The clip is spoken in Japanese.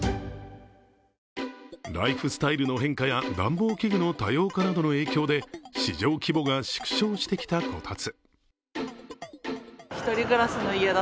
ライフスタイルの変化や暖房器具の多様化などの影響で市場規模が縮小してきたこたつ。